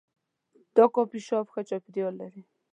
دا کافي شاپ ښه چاپیریال لري.